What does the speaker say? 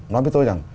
nói với tôi rằng